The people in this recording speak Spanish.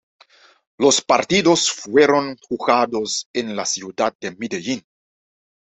Los partidos fueron jugados en la ciudad de Medellín.